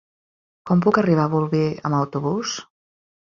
Com puc arribar a Bolvir amb autobús?